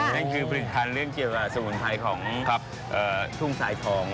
นั่นคือปริศนาเรื่องเจียวภาพสมุนไพรของทุ่งสายทอง